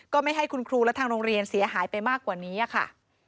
ไม่ให้คุณครูและทางโรงเรียนเสียหายไปมากกว่านี้ค่ะ